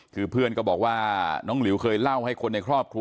คือเพื่อนก็บอกว่าน้องหลิวเคยเล่าให้คนในครอบครัว